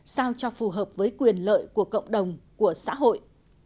sao cho phù hợp với quyền lợi của cộng đồng của xã hội